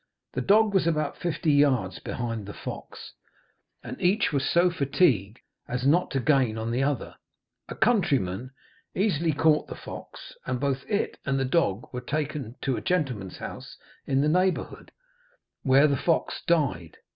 The dog was about fifty yards behind the fox, and each was so fatigued as not to gain on the other. A countryman very easily caught the fox, and both it and the dog were taken to a gentleman's house in the neighbourhood, where the fox died.